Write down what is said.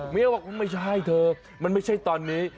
บอกว่าไม่ใช่เธอมันไม่ใช่ตอนนี้